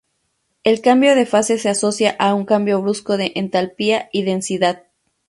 El cambio de fase se asocia a un cambio brusco de entalpía y densidad.